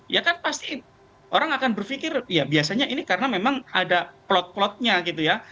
ya kan pasti orang akan berpikir ya biasanya ini karena memang ada plot plotnya gitu ya